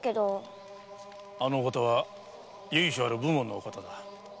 あのお方は由緒ある武門のお方だ。